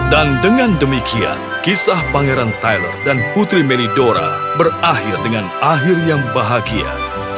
dan dengan demikian kisah pangeran tyler dan putri meridora berakhir dengan akhir yang bahagia